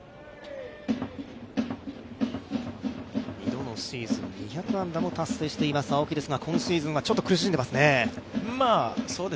２度のシーズン２００安打も達成している青木ですが、今シーズンはちょっと苦しんでますね。